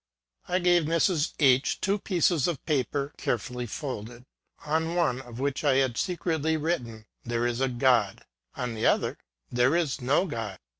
I gave Mrs. H two pieces of paper, carefully folded : on one of which I had secretly written, ^^ There is a God;" on the other, " There is no God."